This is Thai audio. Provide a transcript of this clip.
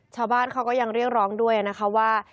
ชาวบ้านเขาก็ยังเรียกร้องด้วยนะคะว่า